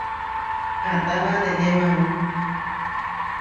¿Atána neʼnémamu?